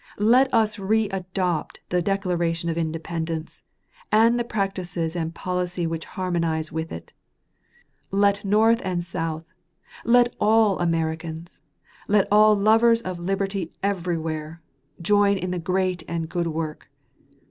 Let us readopt the Declaration of Independence, and the practices and policy which harmonize with it. Let North and South let all Americans let all lovers of liberty everywhere join in the great and good work.